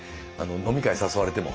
飲み会誘われても。